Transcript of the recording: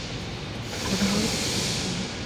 تدهورت صحّة فاضل.